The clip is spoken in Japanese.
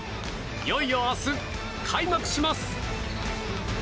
いよいよ明日、開幕します。